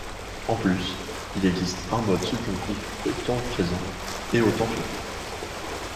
En plus, il existe un mode subjonctif au temps présent et au temps futur.